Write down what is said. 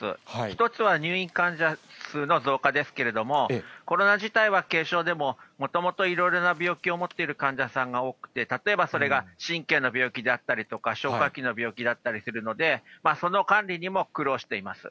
一つは入院患者数の増加ですけれども、コロナ自体は軽症でも、もともといろいろな病気を持っている患者さんが多くて、例えばそれが神経の病気であったりとか、消化器の病気だったりするので、その管理にも苦労しています。